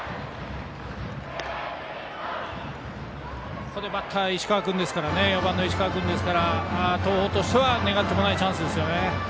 ここでバッターは４番の石川君ですから東邦としては願ってもないチャンスです。